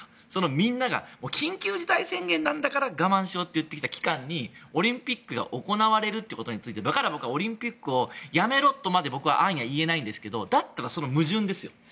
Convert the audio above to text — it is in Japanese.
みんなが緊急事態宣言なんだから我慢しろって言ってきた期間にオリンピックが行われることについてだから僕はオリンピックをやめろとまで安易には言えないんですがだったらその矛盾ですよ。